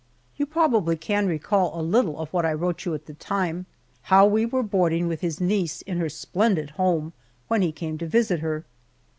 You probably can recall a little of what I wrote you at the time how we were boarding with his niece in her splendid home when he came to visit her.